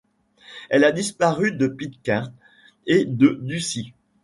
Elle a disparu de Pitcairn et de Ducie.